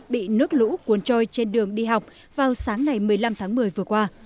bị nước lũ cuốn trôi trên đường đi học vào sáng ngày một mươi năm tháng một mươi vừa qua